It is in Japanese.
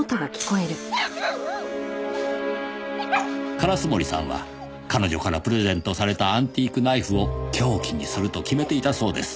烏森さんは彼女からプレゼントされたアンティークナイフを凶器にすると決めていたそうです